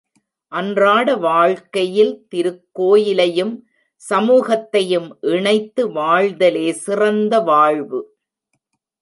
அன்றாட வாழ்க்கையில் திருக்கோயிலையும் சமூகத்தையும் இணைத்து வாழ்தலே சிறந்த வாழ்வு.